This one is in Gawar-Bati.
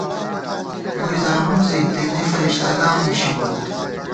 مُوئی زانُم زی، تېنے فرِشتہ گان نِشِبوت